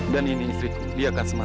dan ini istriku di akas mala